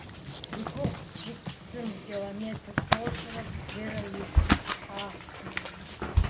Зи гугъу тщӏы псым километр тӏощӏрэ блырэ и кӀыхьагъщ.